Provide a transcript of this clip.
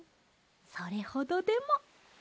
それほどでも。